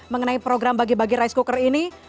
mengenai program bagi bagi rice cooker ini